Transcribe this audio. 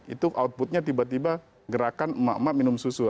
itu outputnya tiba tiba gerakan emak emak minum susu